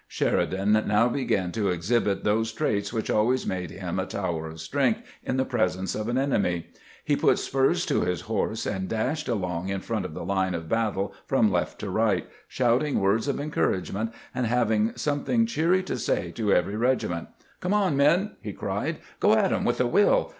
Sheridan now began to exhibit those traits which always made him a tower of strength in the presence of an enemy. He put spurs to his horse, and dashed along in front of the line of battle from left to right, shouting words of encouragement, and having something cheery to say to every regiment. " Come on, men," he cried ;" go at 'em with a will